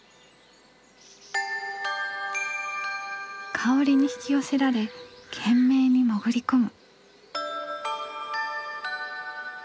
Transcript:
香りに引き寄せられ懸命に潜り込む。